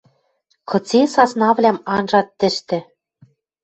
Кыце саснавлӓм анжат тӹштӹ